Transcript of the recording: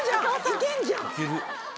いけんじゃん！